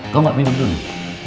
kau ga minum dulu